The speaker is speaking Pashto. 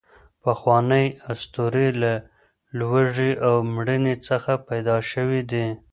پخوانۍ اسطورې له لوږې او مړینې څخه پیدا شوې دي.